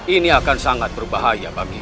ini akan sangat berbahaya bagi